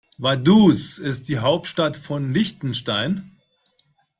Vaduz ist die Hauptstadt von Liechtenstein.